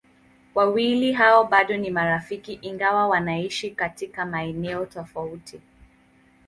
Wawili hao bado ni marafiki ingawa wanaishi katika maeneo tofauti.